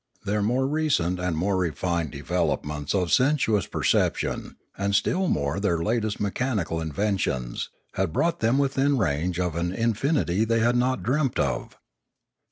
Their more recent and more refined developments of sensuous perception, and still more their latest mechanical inventions, had brought them within range of an infinity they had not dreamt of.